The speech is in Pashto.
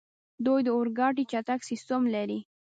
دوی د اورګاډي چټک سیسټم لري.